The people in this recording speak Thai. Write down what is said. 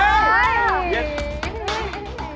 เย็น